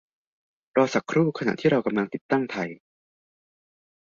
รอสักครู่ขณะที่เรากำลังติดตั้งไทย